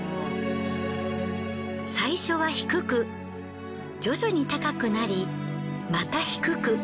最初は低く徐々に高くなりまた低く。